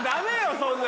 そんな。